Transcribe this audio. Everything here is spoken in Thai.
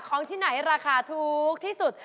ของที่ไหนราคาถูกที่สุด